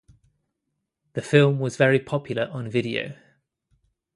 The film was very popular on video.